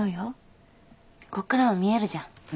こっからも見えるじゃん梅の木。